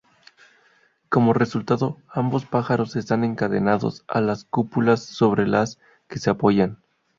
Como resultado, ambos pájaros están encadenados a las cúpulas sobre las que se apoyan.